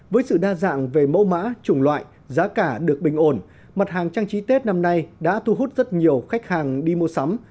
với sự đa dạng về mẫu mã chủng loại giá cả được bình ổn mặt hàng trang trí tết năm nay đã thu hút rất nhiều khách hàng đi mua sắm